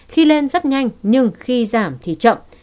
khi lên rất nhanh nhưng khi giảm thì chậm